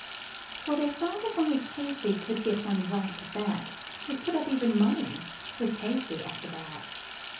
For they thought if only Casey could get a whack at that, They'd put up even money with Casey at the bat.